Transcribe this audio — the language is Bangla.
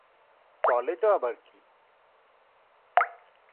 টলেডো আবার কী?